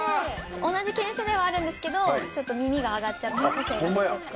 同じ犬種ではあるんですけどちょっと耳が上がっちゃって個性が出てて。